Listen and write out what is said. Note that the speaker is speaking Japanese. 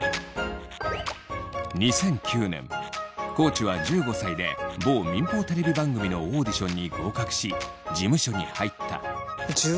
地は１５歳で某民放テレビ番組のオーディションに合格し事務所に入った。